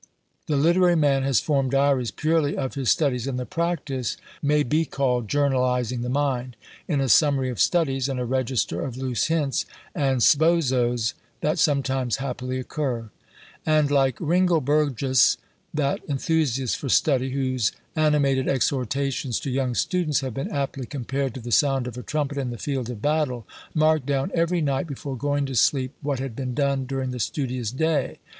The literary man has formed diaries purely of his studies, and the practice may he called journalising the mind, in a summary of studies, and a register of loose hints and sbozzos, that sometimes happily occur; and like Ringelbergius, that enthusiast for study, whose animated exhortations to young students have been aptly compared to the sound of a trumpet in the field of battle, marked down every night, before going to sleep, what had been done during the studious day.